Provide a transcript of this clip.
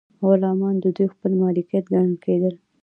غلامان د دوی خپل مالکیت ګڼل کیدل.